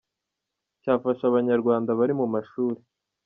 cyafasha abanyarwanda bari mu mashuri.